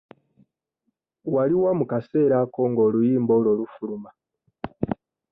Wali wa mu kaseera ako nga oluyimba olwo lufuluma?